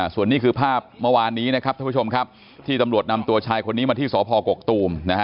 ส่วนนี้คือภาพเมื่อวานนี้นะครับท่านผู้ชมครับที่ตำรวจนำตัวชายคนนี้มาที่สพกกตูม